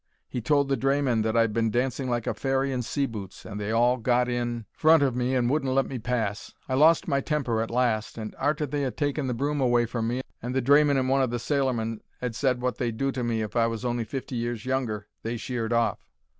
He told the drayman that I'd been dancing like a fairy in sea boots, and they all got in front of me and wouldn't let me pass. I lost my temper at last, and, arter they 'ad taken the broom away from me and the drayman and one o' the sailormen 'ad said wot they'd do to me if I was on'y fifty years younger, they sheered off.